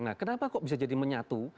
nah kenapa kok bisa jadi menyatu